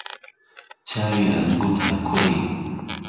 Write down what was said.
چاوی ئهنگوته کوڕی